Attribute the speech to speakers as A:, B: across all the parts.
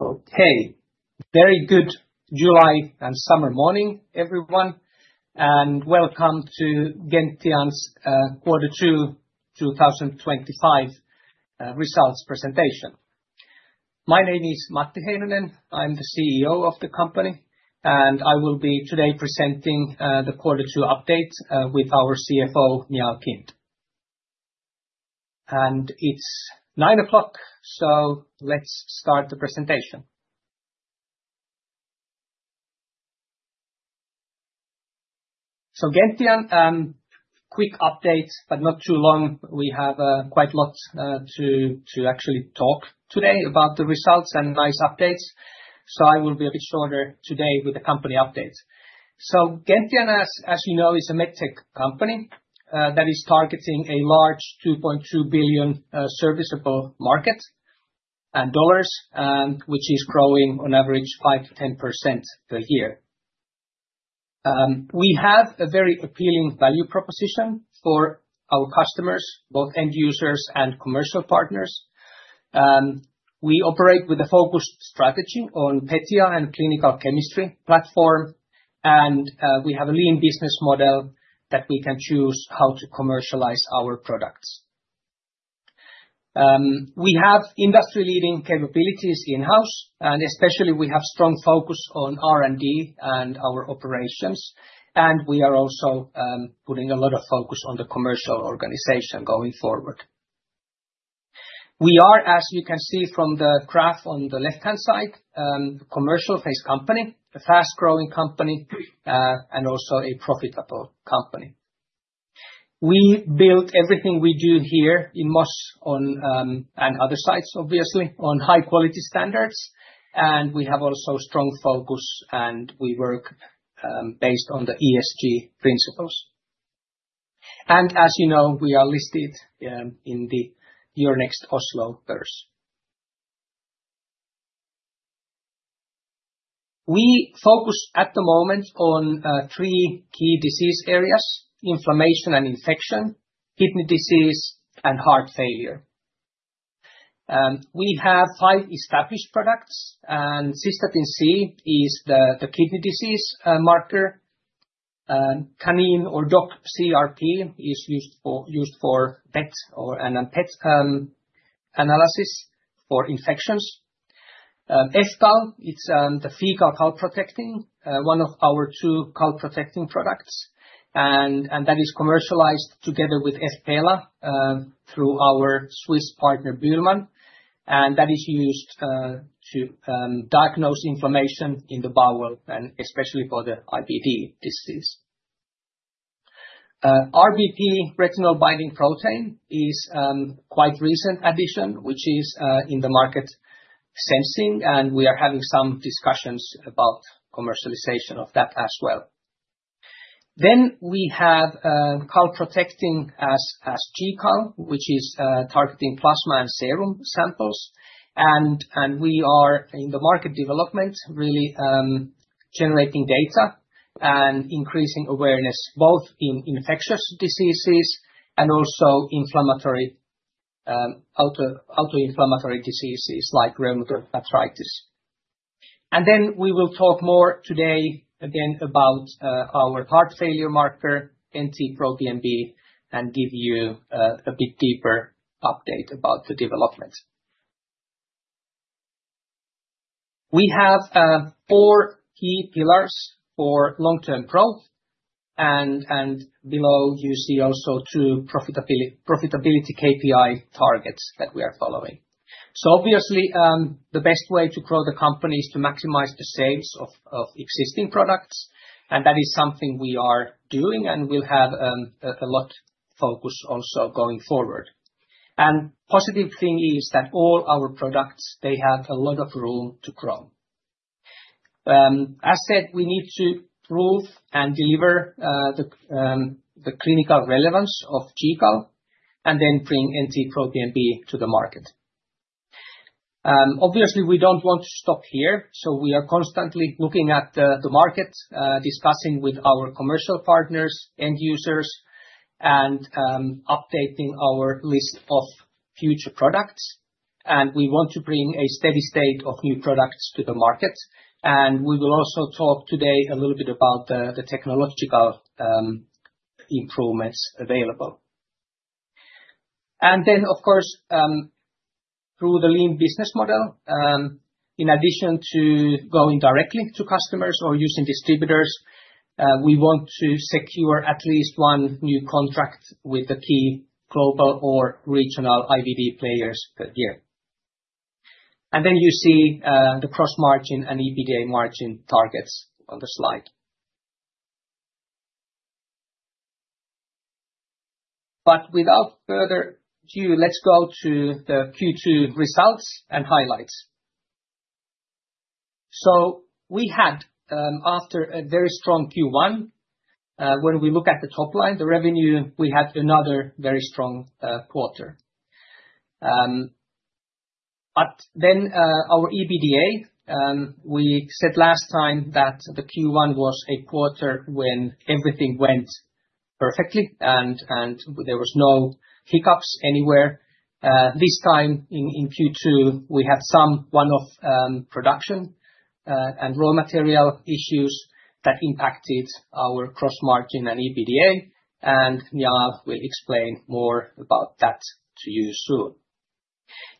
A: Okay, very good July and summer morning, everyone, and welcome to Gentian's quarter two 2025 results presentation. My name is Matti Heinonen, I'm the CEO of the company, and I will be today presenting the quarter two update with our CFO, Njaal Kind. It's 9:00 A.M., so let's start the presentation. Gentian, a quick update, but not too long. We have quite a lot to actually talk today about the results and nice updates, so I will be a bit shorter today with the company updates. Gentian, as you know, is a medtech company that is targeting a large $2.2 billion serviceable market, which is growing on average 5%-10% per year. We have a very appealing value proposition for our customers, both end users and commercial partners. We operate with a focused strategy on PETIA and clinical chemistry platform, and we have a lean business model that we can choose how to commercialize our products. We have industry-leading capabilities in-house, and especially we have a strong focus on R&D and our operations, and we are also putting a lot of focus on the commercial organization going forward. We are, as you can see from the graph on the left-hand side, a commercial-based company, a fast-growing company, and also a profitable company. We build everything we do here in Moss and other sites, obviously, on high-quality standards, and we have also a strong focus, and we work based on the ESG principles. As you know, we are listed in the Euronext Oslo Børs. We focus at the moment on three key disease areas: inflammation and infection, kidney disease, and heart failure. We have five established products, and Cystatin C is the kidney disease marker. Canine or dog CRP is used for PET analysis for infections. fCAL, it's the Faecal Calprotectin, one of our two calprotectin products, and that is commercialized together with fPELA through our Swiss partner Bühlmann, and that is used to diagnose inflammation in the bowel, and especially for the IBD disease. RBP, Retinol-Binding Protein, is a quite recent addition, which is in the market sensing, and we are having some discussions about commercialization of that as well. We have calprotectin as GCAL, which is targeting plasma and serum samples, and we are in the market development, really generating data and increasing awareness both in infectious diseases and also autoinflammatory diseases like rheumatoid arthritis. We will talk more today again about our heart failure marker, NT-proBNP, and give you a bit deeper update about the development. We have four key pillars for long-term growth, and below you see also two profitability KPI targets that we are following. Obviously, the best way to grow the company is to maximize the sales of existing products, and that is something we are doing, and we'll have a lot of focus also going forward. The positive thing is that all our products, they have a lot of room to grow. As said, we need to prove and deliver the clinical relevance of GCAL and then bring NT-proBNP to the market. Obviously, we don't want to stop here, so we are constantly looking at the market, discussing with our commercial partners, end users, and updating our list of future products. We want to bring a steady state of new products to the market, and we will also talk today a little bit about the technological improvements available. Of course, through the lean business model, in addition to going directly to customers or using distributors, we want to secure at least one new contract with the key global or regional IBD players per year. You see the gross margin and EBITDA margin targets on the slide. Without further ado, let's go to the Q2 results and highlights. We had, after a very strong Q1, when we look at the top line, the revenue, we had another very strong quarter. Our EBITDA, we said last time that Q1 was a quarter when everything went perfectly and there were no hiccups anywhere. This time in Q2, we had some one-off production and raw material issues that impacted our gross margin and EBITDA, and Njaal will explain more about that to you soon.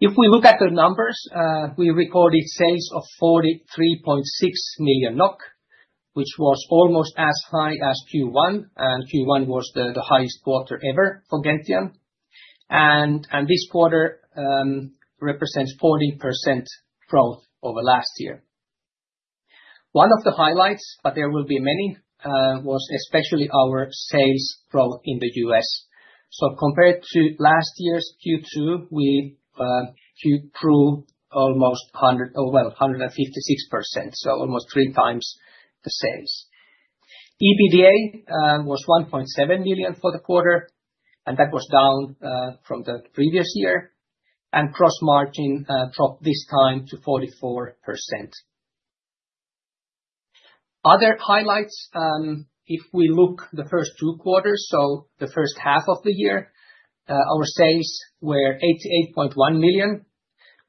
A: If we look at the numbers, we recorded sales of 43.6 million NOK, which was almost as high as Q1, and Q1 was the highest quarter ever for Gentian. This quarter represents 14% growth over last year. One of the highlights, but there will be many, was especially our sales growth in the U.S. Compared to last year's Q2, we grew almost 100%, well, 156%, so almost 3x the sales. EBITDA was 1.7 million for the quarter, and that was down from the previous year, and gross margin dropped this time to 44%. Other highlights, if we look at the first two quarters, so the first half of the year, our sales were 88.1 million,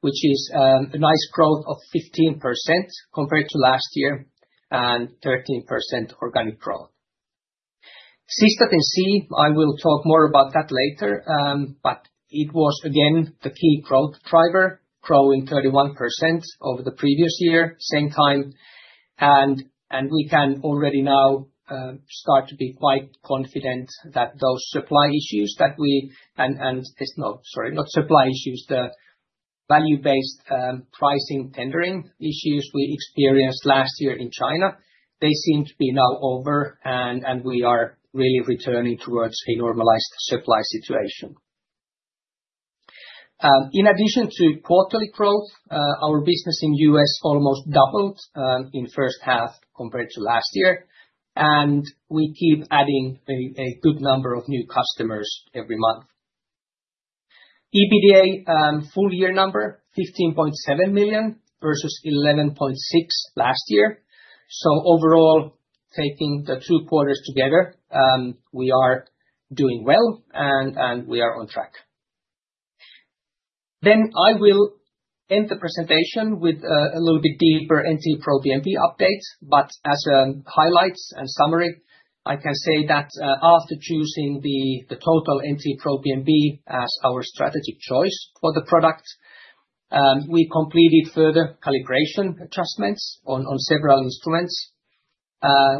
A: which is a nice growth of 15% compared to last year, and 13% organic growth. Cystatin C, I will talk more about that later, but it was again the key growth driver, growing 31% over the previous year, same time. We can already now start to be quite confident that those value-based pricing tendering issues we experienced last year in China, they seem to be now over, and we are really returning towards a normalized supply situation. In addition to quarterly growth, our business in the U.S. almost doubled in the first half compared to last year, and we keep adding a good number of new customers every month. EBITDA, full year number, 15.7 million vs 11.6 million last year. Overall, taking the two quarters together, we are doing well, and we are on track. I will end the presentation with a little bit deeper NT-proBNP updates, but as highlights and summary, I can say that after choosing the total NT-proBNP as our strategic choice for the product, we completed further calibration adjustments on several instruments.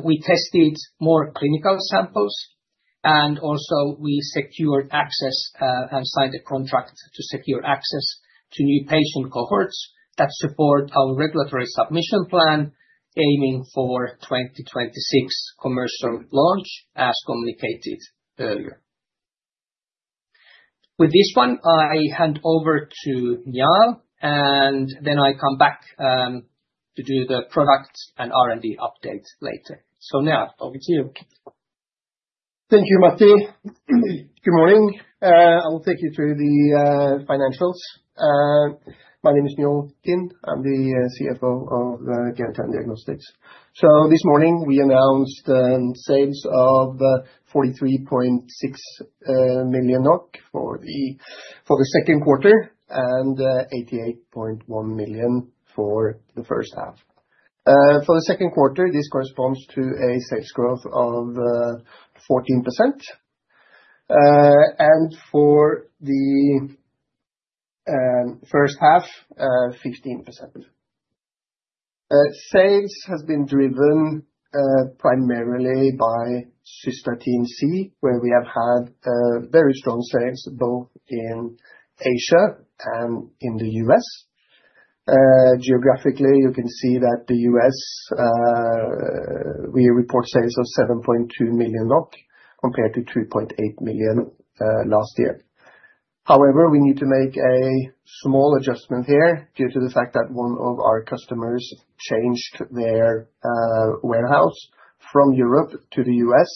A: We tested more clinical samples, and also we secured access and signed a contract to secure access to new patient cohorts that support our regulatory submission plan, aiming for 2026 commercial launch, as communicated earlier. With this one, I hand over to Njaal, and then I come back to do the product and R&D update later. Njaal, over to you.
B: Thank you, Matti. Good morning. I will take you through the financials. My name is Njaal Kind. I'm the CFO of Gentian Diagnostics. This morning, we announced sales of 43.6 million NOK for the second quarter and 88.1 million for the first half. For the second quarter, this corresponds to a sales growth of 14%. For the first half, 15%. Sales have been driven primarily by Cystatin C, where we have had very strong sales both in Asia and in the U.S. Geographically, you can see that in the U.S., we report sales of 7.2 million compared to 2.8 million last year. However, we need to make a small adjustment here due to the fact that one of our customers changed their warehouse from Europe to the U.S.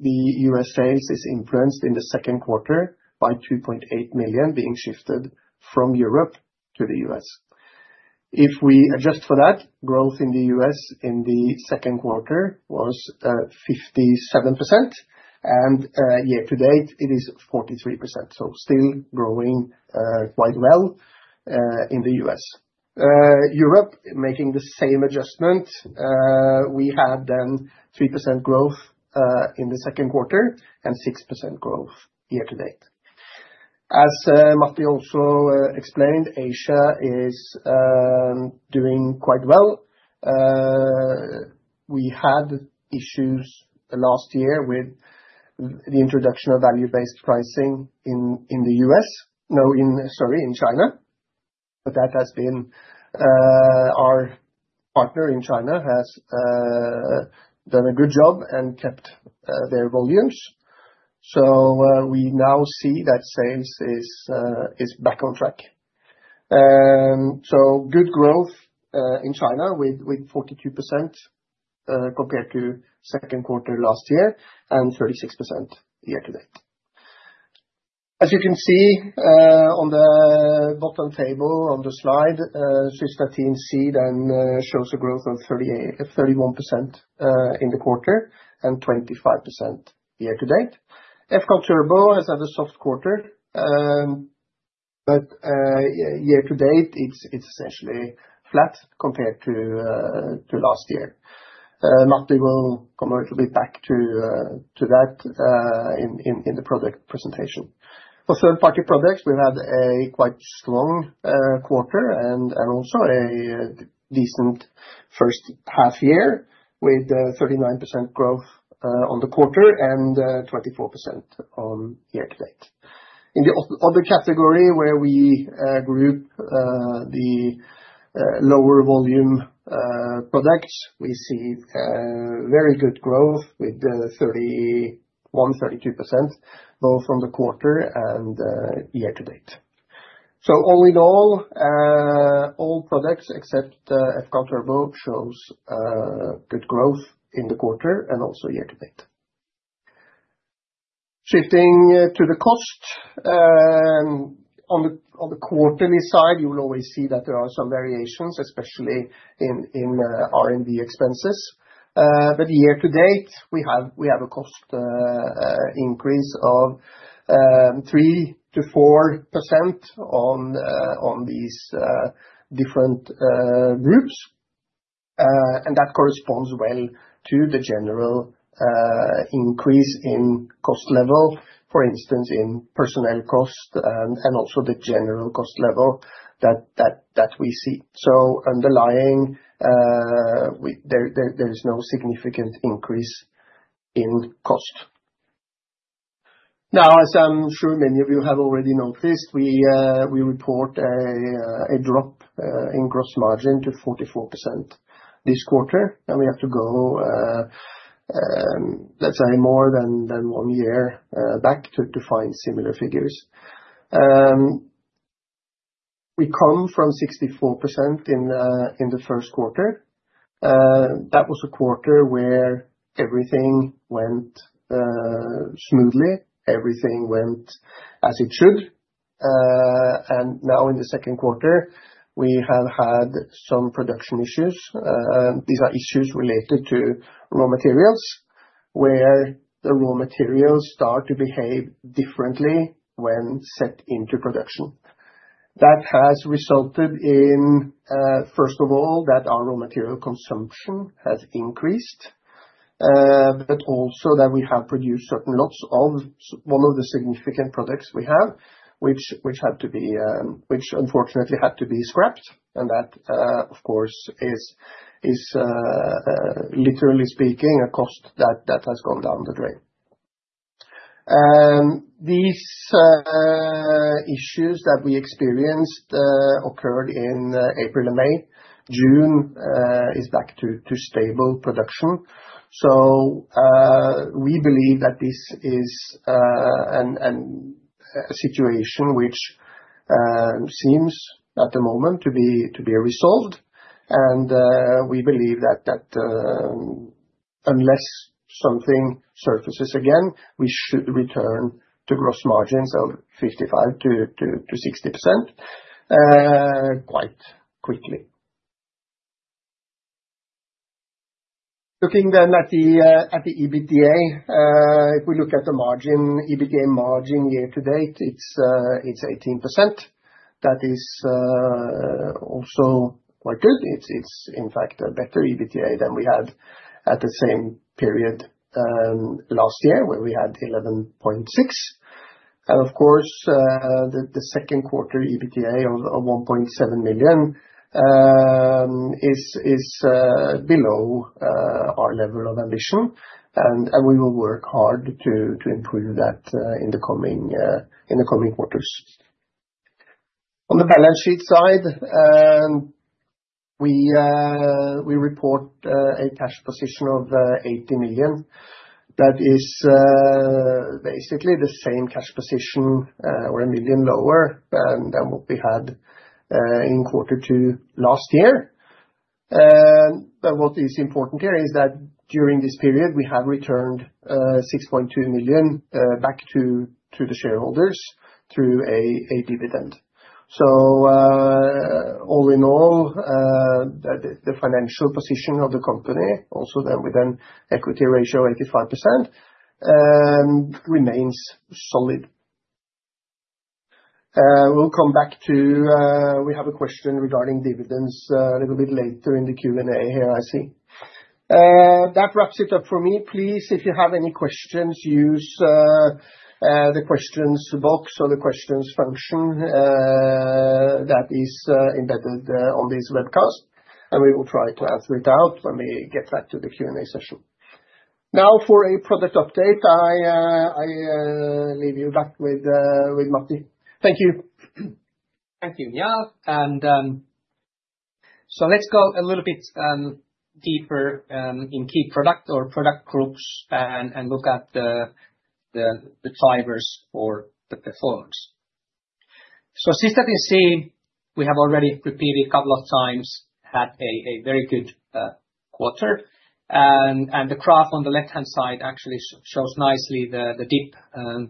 B: The U.S. sales is influenced in the second quarter by 2.8 million being shifted from Europe to the U.S. If we adjust for that, growth in the U.S. in the second quarter was 57%, and year to date, it is 43%. Still growing quite well in the U.S. Europe, making the same adjustment, we had then 3% growth in the second quarter and 6% growth year to date. As Matti also explained, Asia is doing quite well. We had issues last year with the introduction of value-based pricing in China. Our partner in China has done a good job and kept their volumes. We now see that sales is back on track. Good growth in China with 42% compared to the second quarter last year and 36% year to date. As you can see on the bottom table on the slide, Cystatin C then shows a growth of 38%, 31% in the quarter and 25% year to date. fCAL turbo has had a soft quarter, but year to date, it's essentially flat compared to last year. Matti will come a little bit back to that in the product presentation. For certain pocket products, we've had a quite strong quarter and also a decent first half year with 39% growth on the quarter and 24% on year to date. In the other category where we group the lower volume products, we see very good growth with 31%, 32% both on the quarter and year to date. All in all, all products except fCAL turbo show good growth in the quarter and also year to date. Shifting to the cost, on the quarterly side, you will always see that there are some variations, especially in R&D expenses. Year to date, we have a cost increase of 3%-4% on these different groups. That corresponds well to the general increase in cost level, for instance, in personnel cost and also the general cost level that we see. There is no significant increase in cost. As I'm sure many of you have already noticed, we report a drop in gross margin to 44% this quarter. We have to go more than one year back to find similar figures. We come from 64% in the first quarter. That was a quarter where everything went smoothly, everything went as it should. Now in the second quarter, we have had some production issues. These are issues related to raw materials, where the raw materials start to behave differently when set into production. That has resulted in, first of all, our raw material consumption increasing, but also that we have produced certain lots of one of the significant products we have, which unfortunately had to be scrapped. That, of course, is, literally speaking, a cost that has gone down the drain. These issues that we experienced occurred in April and May. June is back to stable production. We believe that this is a situation which seems at the moment to be resolved. We believe that unless something surfaces again, we should return to gross margins of 55%-60% quite quickly. Looking then at the EBITDA, if we look at the margin, EBITDA margin year to date, it's 18%. That is also quite good. It's, in fact, a better EBITDA than we had at the same period last year, where we had 11.6%. The second quarter EBITDA of 1.7 million is below our level of ambition. We will work hard to improve that in the coming quarters. On the balance sheet side, we report a cash position of 80 million. That is basically the same cash position or 1 million lower than what we had in quarter two last year. What is important here is that during this period, we have returned 6.2 million back to the shareholders through a dividend. All in all, the financial position of the company, also then with an equity ratio of 85%, remains solid. We have a question regarding dividends a little bit later in the Q&A here, I see. That wraps it up for me. Please, if you have any questions, use the questions box or the questions function that is embedded on this webcast, and we will try to answer it when we get back to the Q&A session. Now, for a product update, I leave you back with Matti. Thank you.
A: Thank you, Njaal. Let's go a little bit deeper into product or product groups and look at the drivers for the performance. Cystatin C, we have already repeated a couple of times, had a very good quarter. The graph on the left-hand side actually shows nicely the dip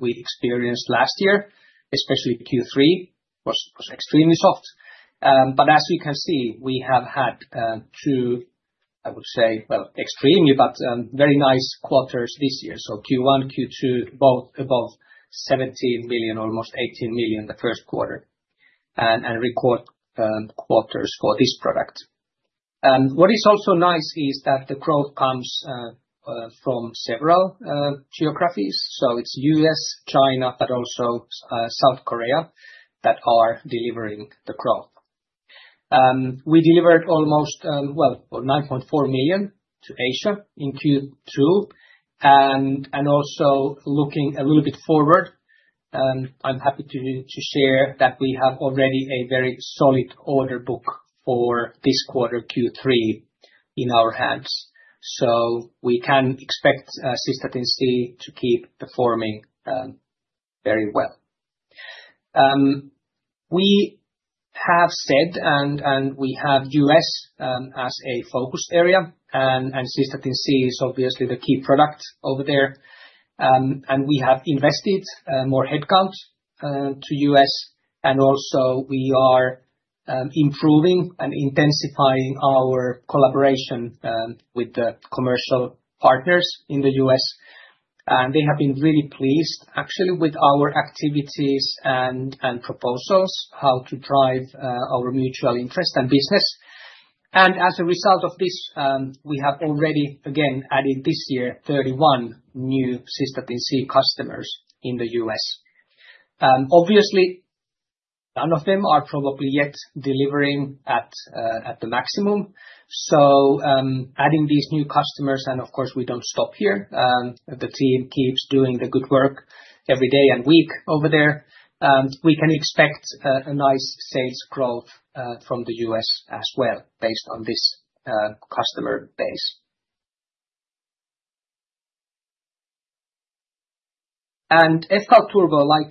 A: we experienced last year, especially Q3, which was extremely soft. As you can see, we have had two, I would say, very nice quarters this year. Q1 and Q2, both above 17 million, almost 18 million the first quarter, and record quarters for this product. What is also nice is that the growth comes from several geographies. It's U.S., China, but also South Korea that are delivering the growth. We delivered almost 9.4 million to Asia in Q2. Also looking a little bit forward, I'm happy to share that we have already a very solid order book for this quarter, Q3, in our hands. We can expect Cystatin C to keep performing very well. We have said, and we have U.S. as a focus area, and Cystatin C is obviously the key product over there. We have invested more headcount to U.S. and we are improving and intensifying our collaboration with the commercial partners in the U.S. They have been really pleased, actually, with our activities and proposals, how to drive our mutual interest and business. As a result of this, we have already, again, added this year 31 new Cystatin C customers in the U.S. Obviously, none of them are probably yet delivering at the maximum. Adding these new customers, and of course, we don't stop here. The team keeps doing the good work every day and week over there. We can expect a nice sales growth from the U.S. as well, based on this customer base. fCAL turbo, like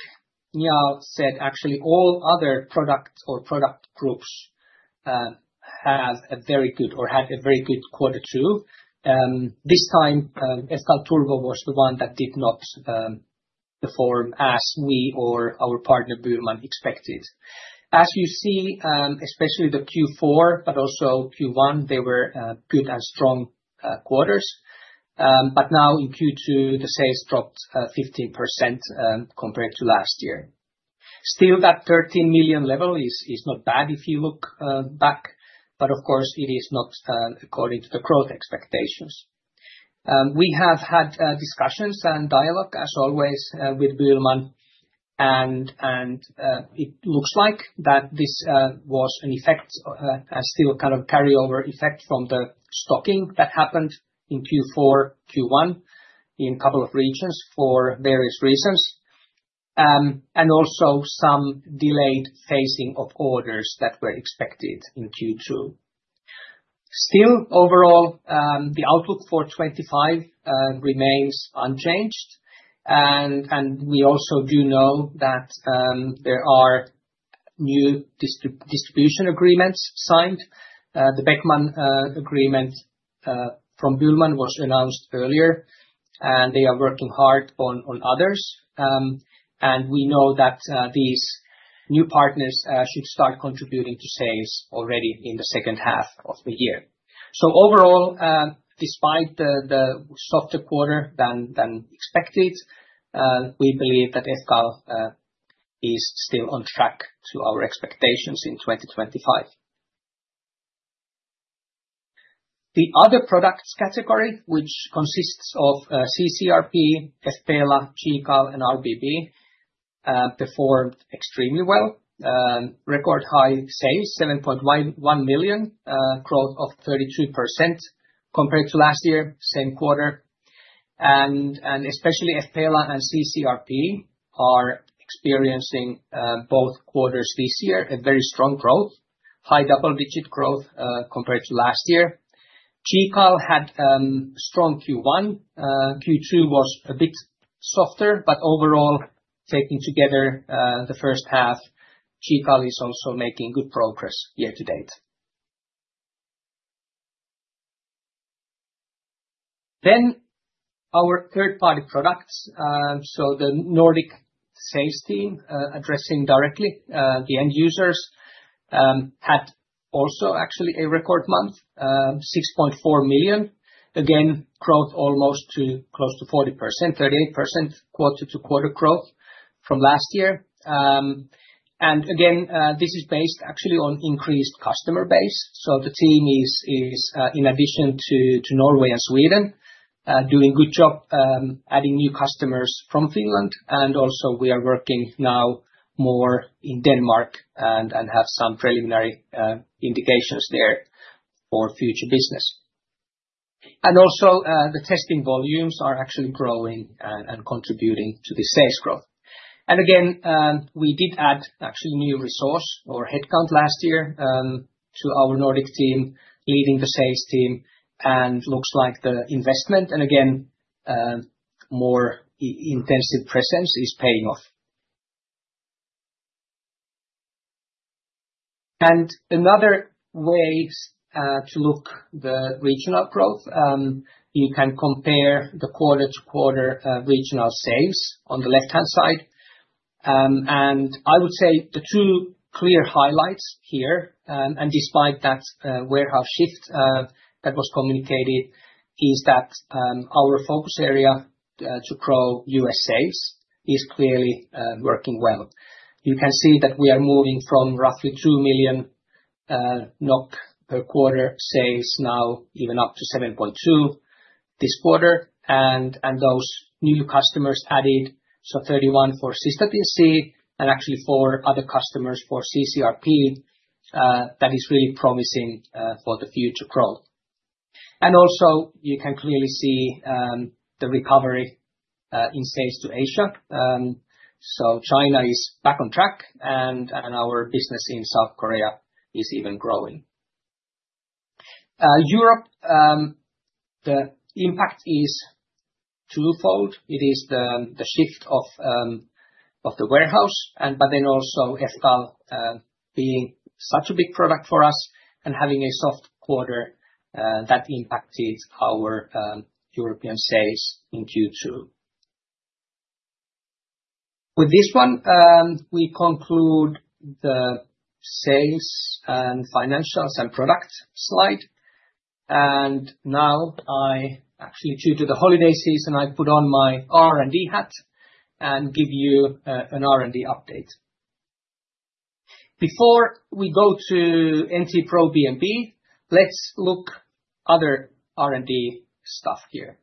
A: Njaal said, actually, all other products or product groups have had a very good Q2. This time, fCAL turbo was the one that did not perform as we or our partner Bühlmann expected. As you see, especially Q4, but also Q1, they were good and strong quarters. Now in Q2, the sales dropped 15% compared to last year. Still, that 13 million level is not bad if you look back. Of course, it is not according to the growth expectations. We have had discussions and dialogue, as always, with Bühlmann. It looks like this was an effect, as still a kind of carryover effect from the docking that happened in Q4 and Q1 in a couple of regions for various reasons, and also some delayed phasing of orders that were expected in Q2. Still, overall, the outlook for 2025 remains unchanged. We also do know that there are new distribution agreements signed. The Beckman agreement from Bühlmann was announced earlier, and they are working hard on others. We know that these new partners should start contributing to sales already in the second half of the year. Overall, despite the softer quarter than expected, we believe that fCAL is still on track to our expectations in 2025. The other products category, which consists of cCRP, fPELA, GCAL, and RBP, performed extremely well. Record high sales, 7.1 million, growth of 32% compared to last year, same quarter. Especially fPELA and cCRP are experiencing both quarters this year a very strong growth, high double-digit growth compared to last year. GCAL had a strong Q1. Q2 was a bit softer, but overall, taking together the first half, GCAL is also making good progress year to date. Our third-party products, so the Nordic Sales Team, addressing directly the end users, had also actually a record month, 6.4 million. Again, growth almost close to 40%, 38% quarter-to-quarter growth from last year. This is based actually on increased customer base. The team is, in addition to Norway and Sweden, doing a good job adding new customers from Finland. We are working now more in Denmark and have some preliminary indications there for future business. The testing volumes are actually growing and contributing to the sales growth. We did add actually new resource or headcount last year to our Nordic team, leading the sales team, and looks like the investment and more intensive presence is paying off. Another way to look at the regional growth, you can compare the quarter-to-quarter regional sales on the left-hand side. I would say the two clear highlights here, and despite that warehouse shift that was communicated, is that our focus area to grow U.S. sales is clearly working well. You can see that we are moving from roughly 2 million NOK per quarter sales now, even up to 7.2 million this quarter. Those new customers added, so 31% for Cystatin C and actually four other customers for cCRP, that is really promising for the future growth. You can clearly see the recovery in sales to Asia. China is back on track, and our business in South Korea is even growing. Europe, the impact is twofold. It is the shift of the warehouse, but then also fCAL being such a big product for us and having a soft quarter that impacted our European sales in Q2. With this one, we conclude the sales and financials and product slide. Now, actually, due to the holiday season, I put on my R&D hat and give you an R&D update. Before we go to NT-proBNP, let's look at other R&D stuff here.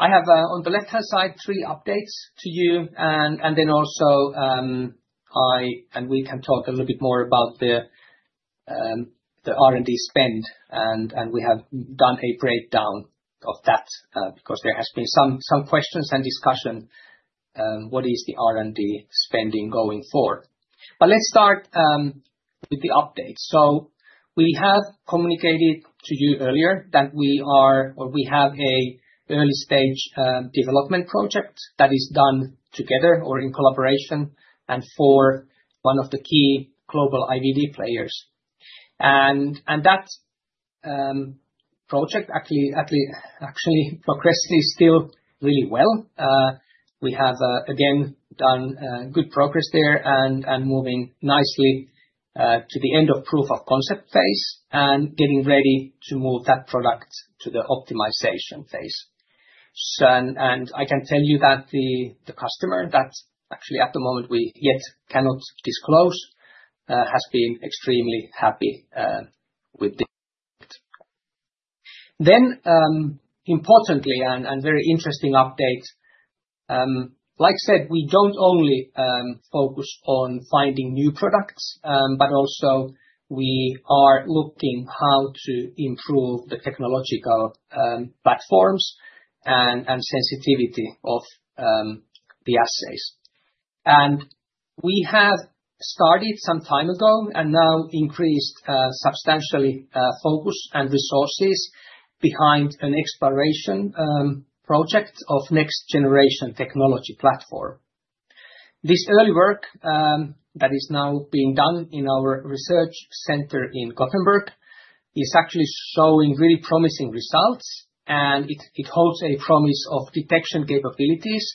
A: I have on the left-hand side three updates to you, and then also I and we can talk a little bit more about the R&D spend. We have done a breakdown of that because there have been some questions and discussions. What is the R&D spending going for? Let's start with the update. We have communicated to you earlier that we are, or we have an early-stage development project that is done together or in collaboration and for one of the key global IBD players. That project actually progresses still really well. We have, again, done good progress there and moving nicely to the end of proof of concept phase and getting ready to move that product to the optimization phase. I can tell you that the customer that actually at the moment we yet cannot disclose has been extremely happy with it. Importantly and very interesting update, like I said, we don't only focus on finding new products, but also we are looking at how to improve the technological platforms and sensitivity of the assays. We have started some time ago and now increased substantially focus and resources behind an exploration project of next-generation technology platform. This early work that is now being done in our research center in Gothenburg is actually showing really promising results, and it holds a promise of detection capabilities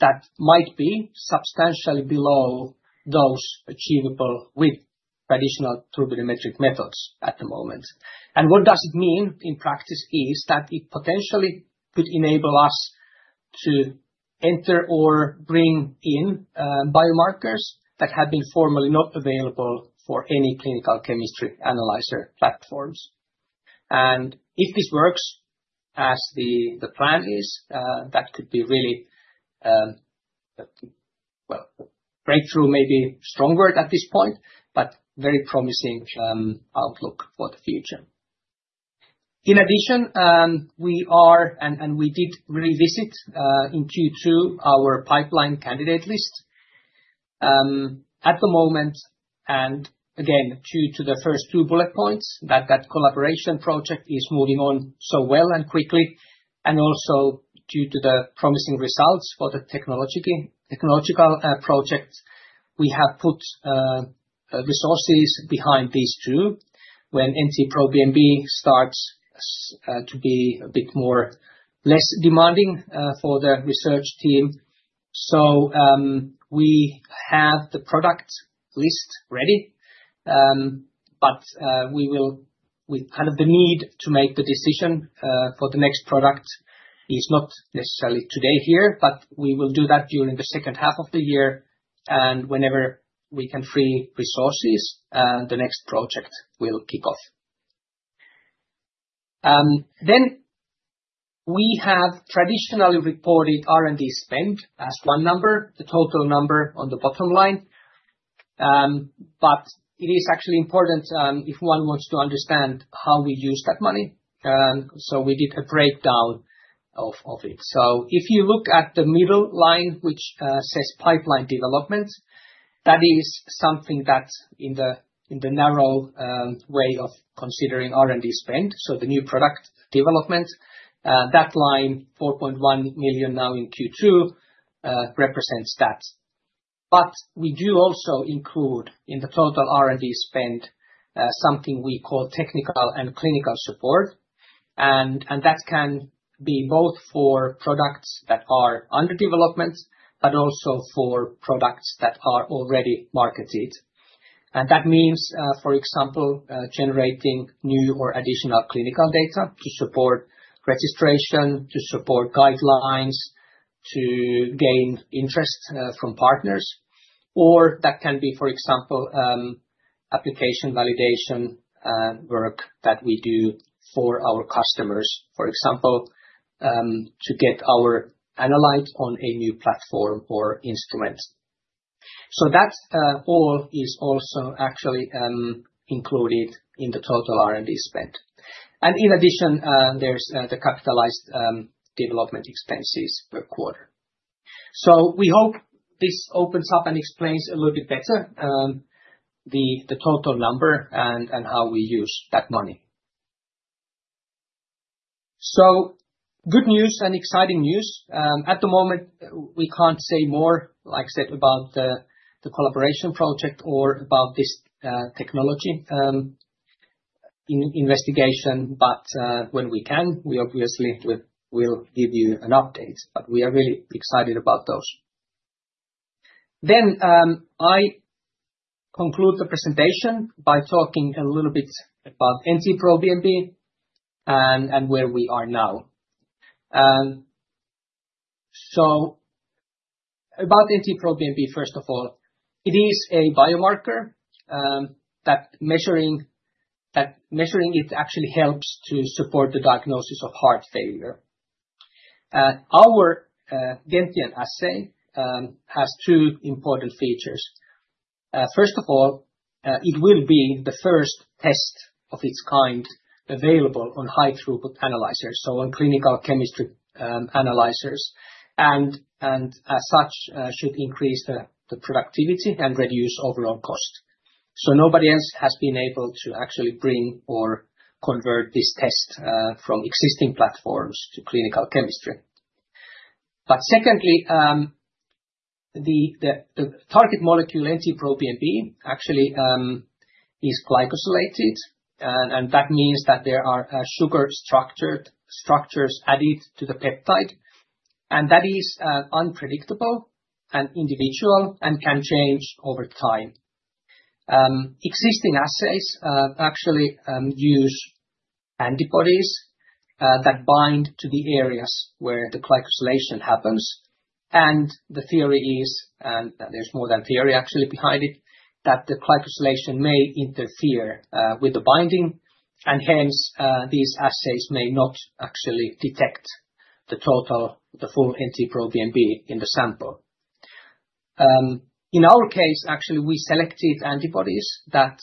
A: that might be substantially below those achievable with traditional therapeutic methods at the moment. What does it mean in practice is that it potentially could enable us to enter or bring in biomarkers that have been formally not available for any clinical chemistry analyzer platforms. If this works as the plan is, that could be really a breakthrough, maybe strong word at this point, but very promising outlook for the future. In addition, we did revisit in Q2 our pipeline candidate list at the moment. Again, due to the first two bullet points, that that collaboration project is moving on so well and quickly. Also, due to the promising results for the technological projects, we have put resources behind these two when NT-proBNP starts to be a bit less demanding for the research team. We have the product list ready, but we will need to make the decision for the next product. It's not necessarily today here, but we will do that during the second half of the year. Whenever we can free resources, the next project will kick off. We have traditionally reported R&D spend as one number, the total number on the bottom line. It is actually important if one wants to understand how we use that money. We did a breakdown of it. If you look at the middle line, which says pipeline developments, that is something that's in the narrow way of considering R&D spend. The new product developments, that line 4.1 million now in Q2, represents that. We do also include in the total R&D spend something we call technical and clinical support. That can be both for products that are under development, but also for products that are already marketed. That means, for example, generating new or additional clinical data to support registration, to support guidelines, to gain interest from partners. That can be, for example, application validation work that we do for our customers, for example, to get our analytes on a new platform or instrument. That all is also actually included in the total R&D spend. In addition, there's the capitalized development expenses per quarter. We hope this opens up and explains a little bit better the total number and how we use that money. Good news and exciting news. At the moment, we can't say more, like I said, about the collaboration project or about this technology investigation. When we can, we obviously will give you an update. We are really excited about those. I conclude the presentation by talking a little bit about NT-proBNP and where we are now. About NT-proBNP, first of all, it is a biomarker that measuring it actually helps to support the diagnosis of heart failure. Our Gentian assay has two important features. First of all, it will be the first test of its kind available on high-throughput analyzers, so on clinical chemistry analyzers. As such, it should increase the productivity and reduce overall cost. Nobody else has been able to actually bring or convert this test from existing platforms to clinical chemistry. Secondly, the target molecule NT-proBNP actually is glycosylated. That means that there are sugar structures added to the peptide. That is unpredictable and individual and can change over time. Existing assays actually use antibodies that bind to the areas where the glycosylation happens. The theory is, and there's more than theory actually behind it, that the glycosylation may interfere with the binding. Hence, these assays may not actually detect the total, the full NT-proBNP in the sample. In our case, actually, we selected antibodies that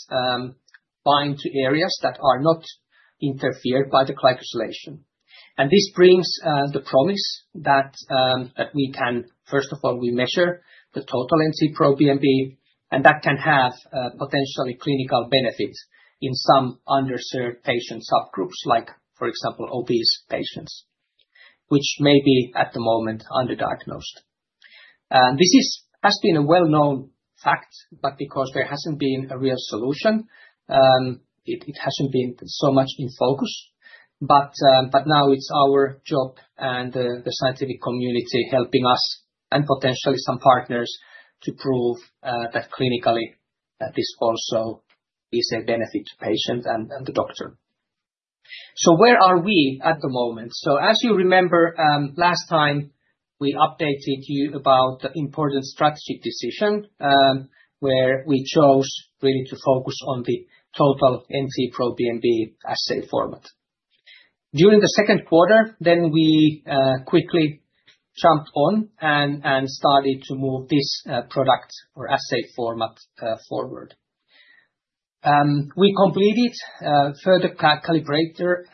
A: bind to areas that are not interfered by the glycosylation. This brings the promise that we can, first of all, measure the total NT-proBNP. That can have potentially clinical benefits in some underserved patient subgroups, like, for example, obese patients, which may be at the moment underdiagnosed. This has been a well-known fact, but because there hasn't been a real solution, it hasn't been so much in focus. Now it's our job and the scientific community helping us and potentially some partners to prove that clinically this also is a benefit to patients and the doctor. Where are we at the moment? As you remember, last time we updated you about the important strategic decision where we chose really to focus on the total NT-proBNP assay format. During the second quarter, we quickly jumped on and started to move this product or assay format forward. We completed further calibrator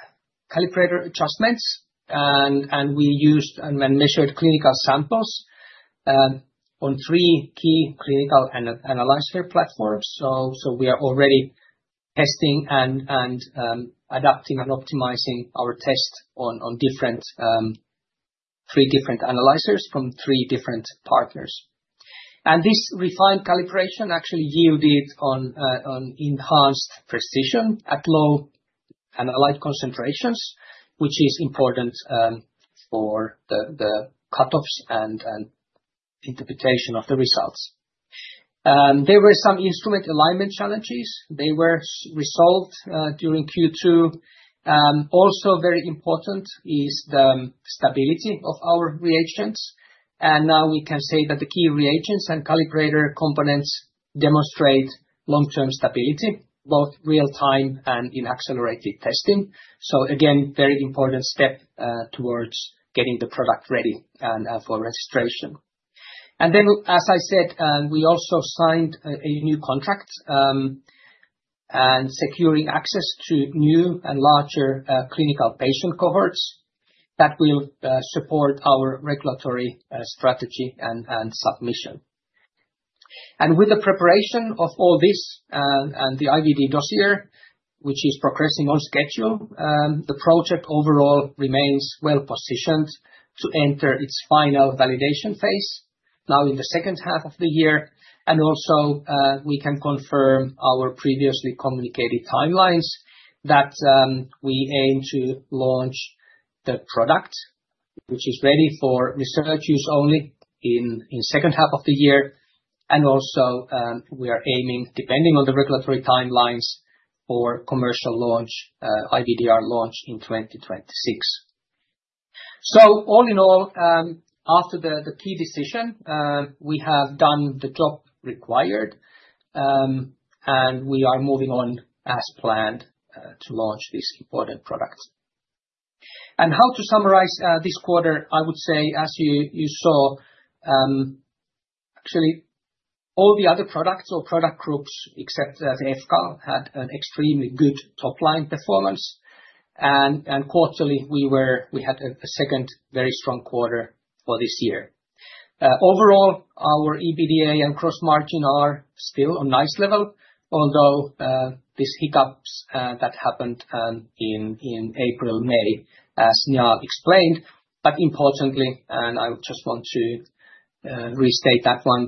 A: adjustments, and we used and measured clinical samples on three key clinical analyzer platforms. We are already testing and adapting and optimizing our tests on three different analyzers from three different partners. This refined calibration actually yielded enhanced precision at low analyte concentrations, which is important for the cutoffs and interpretation of the results. There were some instrument alignment challenges. They were resolved during Q2. Also, very important is the stability of our reagents. Now we can say that the key reagents and calibrator components demonstrate long-term stability, both real-time and in accelerated testing. Again, a very important step towards getting the product ready for registration. As I said, we also signed a new contract and secured access to new and larger clinical patient cohorts that will support our regulatory strategy and submission. With the preparation of all this and the IBD dossier, which is progressing on schedule, the project overall remains well positioned to enter its final validation phase now in the second half of the year. We can confirm our previously communicated timelines that we aim to launch the product, which is ready for research use only, in the second half of the year. We are aiming, depending on the regulatory timelines, for commercial launch, IBDR launch in 2026. All in all, after the key decision, we have done the job required, and we are moving on as planned to launch this important product. To summarize this quarter, as you saw, actually, all the other products or product groups, except that fCAL, had an extremely good top-line performance. Quarterly, we had a second very strong quarter for this year. Overall, our EBITDA and gross margin are still on a nice level, although these hiccups that happened in April, May, as Njaal explained. Importantly, and I just want to restate that one,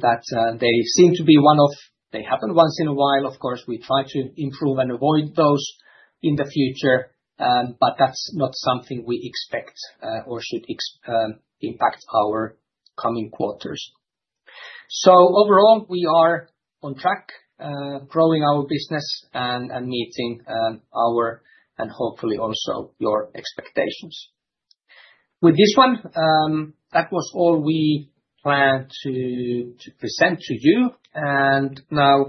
A: they seem to be one of, they happen once in a while. Of course, we try to improve and avoid those in the future, but that's not something we expect or should impact our coming quarters. Overall, we are on track, growing our business and meeting our and hopefully also your expectations. With this one, that was all we planned to present to you. Now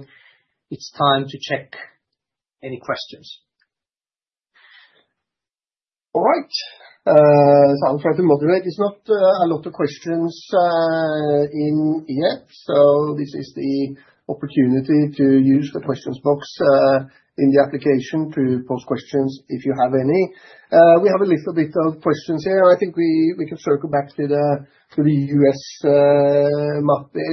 A: it's time to check any questions.
B: All right. I'll try to moderate. There's not a lot of questions in here. This is the opportunity to use the questions box in the application to post questions if you have any. We have a little bit of questions here. I think we can circle back to the U.S., Matti.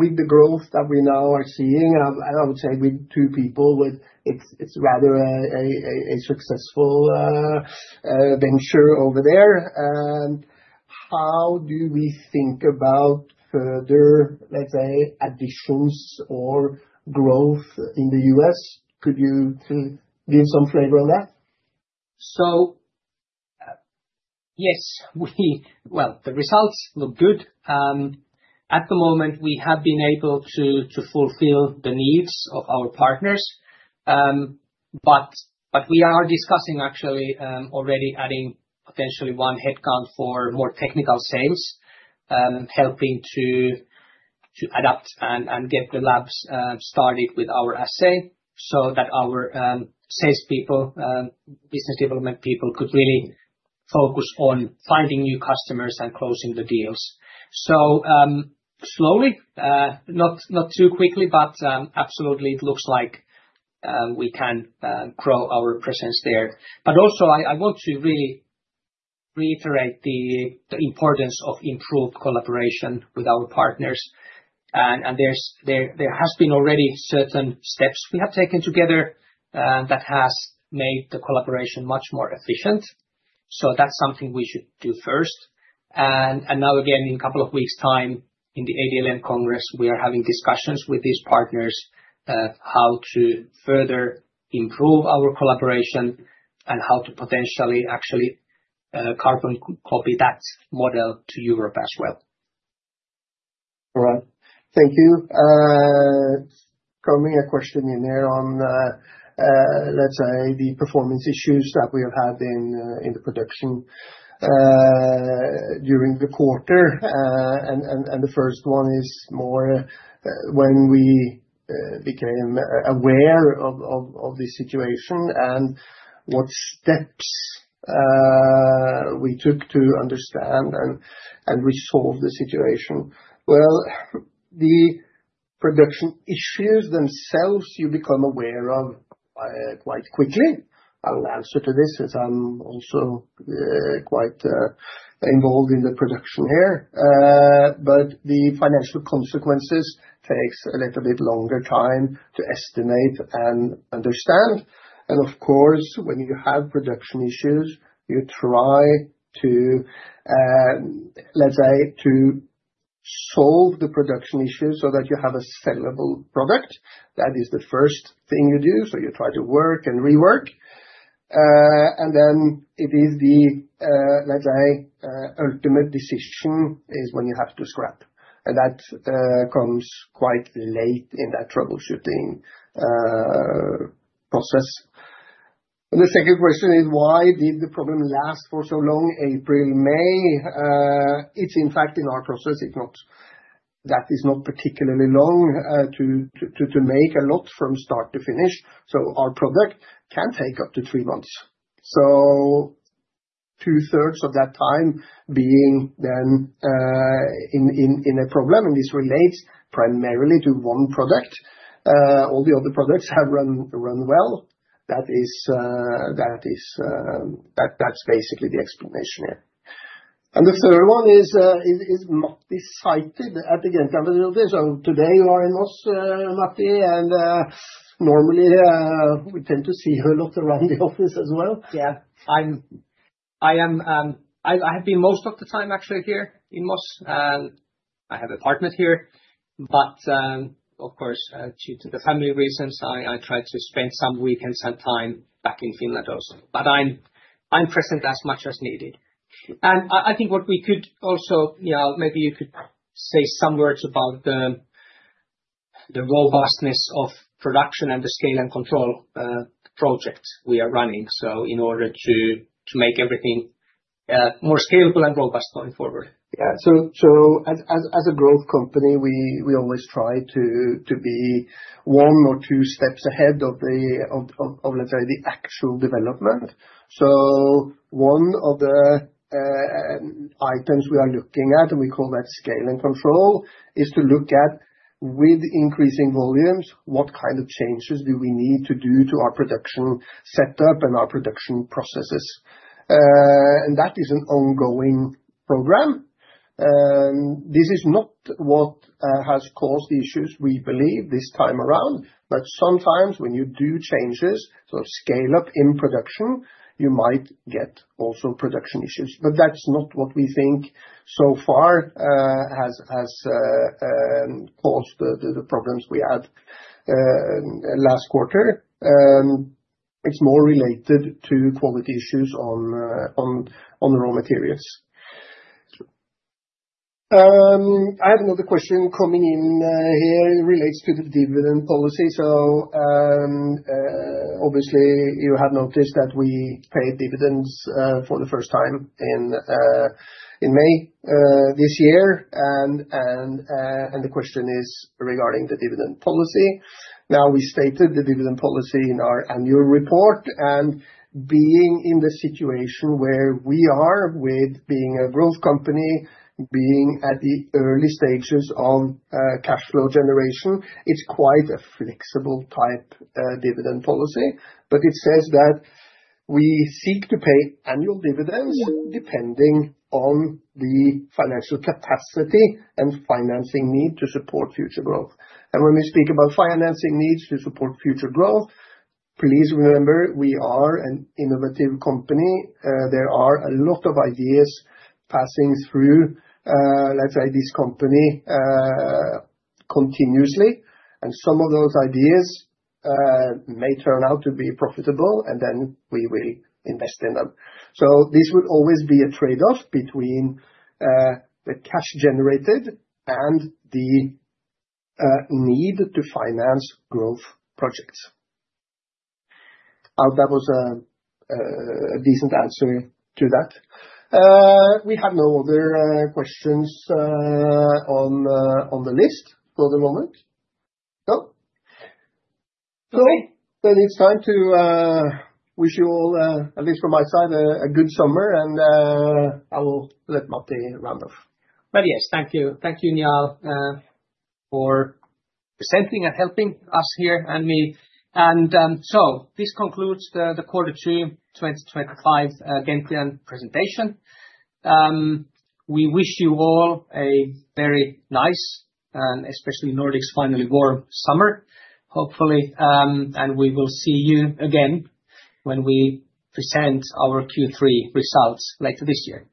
B: With the growth that we now are seeing, I would say with two people, it's rather a successful venture over there. How do we think about further, let's say, additions or growth in the U.S.? Could you give some flavor on that?
A: Yes, the results look good. At the moment, we have been able to fulfill the needs of our partners. We are discussing actually already adding potentially one headcount for more technical sales, helping to adapt and get the labs started with our assay so that our salespeople, business development people, could really focus on finding new customers and closing the deals. Slowly, not too quickly, it looks like we can grow our presence there. I want to reiterate the importance of improved collaboration with our partners. There have been already certain steps we have taken together that have made the collaboration much more efficient. That is something we should do first. In a couple of weeks' time, in the ADLM Congress, we are having discussions with these partners of how to further improve our collaboration and how to potentially actually carbon copy that model to Europe as well.
B: All right. Thank you. Coming a question in there on, let's say, the performance issues that we have had in the production during the quarter. The first one is more when we became aware of the situation and what steps we took to understand and resolve the situation. The production issues themselves, you become aware of quite quickly. I'll answer to this as I'm also quite involved in the production here. The financial consequences take a little bit longer time to estimate and understand. Of course, when you have production issues, you try to, let's say, solve the production issues so that you have a sellable product. That is the first thing you do. You try to work and rework. It is the, let's say, ultimate decision is when you have to scrap. That comes quite late in that troubleshooting process. The second question is, why did the problem last for so long, April, May? It's, in fact, in our process, it's not that is not particularly long to make a lot from start to finish. Our product can take up to three months. 2/3 of that time being then in a problem, and this relates primarily to one product. All the other products have run well. That is basically the explanation here. The third one is, is Matti sighted at the Gentian facility? Today you are in Moss, Matti. Normally, we tend to see her a lot around the office as well.
A: I have been most of the time, actually, here in Moss. I have an apartment here. Of course, due to family reasons, I try to spend some weekends and time back in Finland also. I'm present as much as needed. I think what we could also, maybe you could say some words about the robustness of production and the scale and control project we are running, in order to make everything more scalable and robust going forward.
B: As a growth company, we always try to be one or two steps ahead of the actual development. One of the items we are looking at, and we call that scale and control, is to look at, with increasing volumes, what kind of changes we need to do to our production setup and our production processes. That is an ongoing program. This is not what has caused issues, we believe, this time around. Sometimes when you do changes, scale up in production, you might get also production issues. That's not what we think so far has caused the problems we had last quarter. It's more related to quality issues on raw materials. I have another question coming in here. It relates to the dividend policy. Obviously, you have noticed that we paid dividends for the first time in May this year. The question is regarding the dividend policy. We stated the dividend policy in our annual report. Being in the situation where we are, with being a growth company, being at the early stages on cash flow generation, it's quite a flexible type dividend policy. It says that we seek to pay annual dividends depending on the financial capacity and financing need to support future growth. When we speak about financing needs to support future growth, please remember we are an innovative company. There are a lot of ideas passing through this company continuously. Some of those ideas may turn out to be profitable, and then we will invest in them. This would always be a trade-off between the cash generated and the need to finance growth projects. That was a decent answer to that. We have no other questions on the list for the moment. No? It's time to wish you all, at least from my side, a good summer. I will let Matti round off.
A: Yes, thank you. Thank you, Njaal, for presenting and helping us here and me. This concludes the quarter two 2025 Gentian presentation. We wish you all a very nice and especially Nordics finally warm summer, hopefully. We will see you again when we present our Q3 results later this year.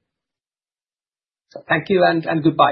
A: Thank you and goodbye.